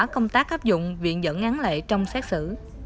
công tác áp dụng viện dẫn ngắn lệ trong xét xử